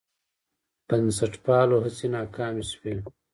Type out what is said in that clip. بنسټپالو هڅې ناکامې شوې.